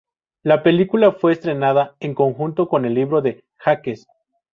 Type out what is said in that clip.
La película fue estrenada en conjunto con el libro de Jacques.